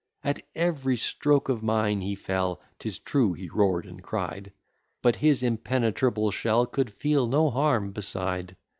At every stroke of mine, he fell, 'Tis true he roar'd and cried; But his impenetrable shell Could feel no harm beside.